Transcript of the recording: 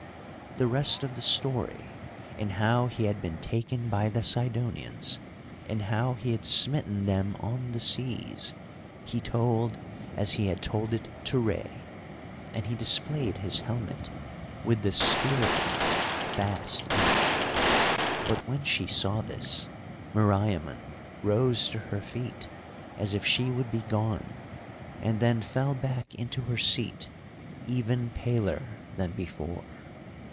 The rest of the story, and how he had been taken by the Sidonians, and how he had smitten them on the seas, he told as he had told it to Rei. And he displayed his helmet with the spear point fast in it. But when she saw this Meriamun rose to her feet as if she would be gone, and then fell back into her seat even paler than before.